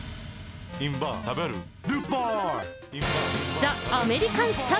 ザ・アメリカン侍。